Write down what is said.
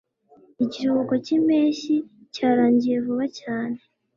Ikiruhuko cyimpeshyi cyarangiye vuba cyane.